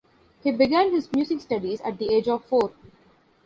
He began his music studies at the age of four.